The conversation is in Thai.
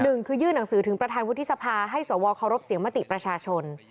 หนึ่งคือยื่นหนังสือถึงประธานวุฒิสภาให้สวเคารพเสียงมติประชาชน